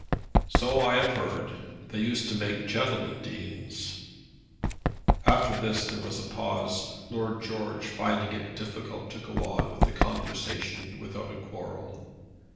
"So I have heard. They used to make gentlemen Deans." After this there was a pause, Lord George finding it difficult to go on with the conversation without a quarrel.